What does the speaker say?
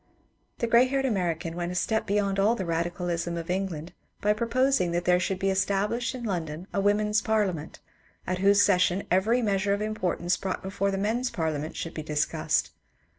The grey haired American went a step be yond all the radicalism of England by proposing that there should be established in London a woman's parliament, at whose session every measure of importance brought before the men's parliament should be discussed.